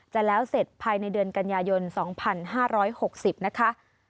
จะแล้วเสร็จภายในเดือนกันยายน๒๕๖๐นะคะ